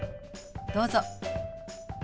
どうぞ。